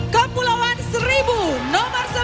kepulauan seribu nomor sebelas